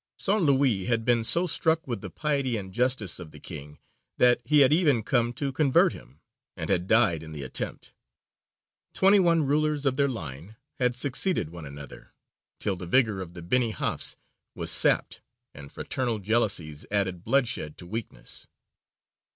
Saint Louis had been so struck with the piety and justice of the king that he had even come to convert him, and had died in the attempt. Twenty one rulers of their line had succeeded one another, till the vigour of the Benī Hafs was sapped, and fraternal jealousies added bloodshed to weakness.